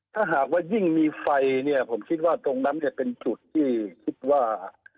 ถ้าหากว่ายิ่งมีไฟเนี่ยผมคิดว่าตรงนั้นจะเป็นจุดที่คิดว่า